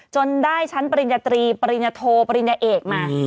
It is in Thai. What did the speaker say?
จนได้ชั้นปริญญาตรีปริญญโทปริญญาเอกมา